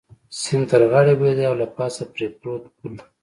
سیند تر غاړې بهېده او له پاسه پرې پروت پل.